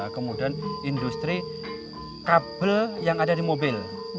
kemudian industri kabel yang ada di mobil